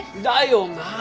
だよな！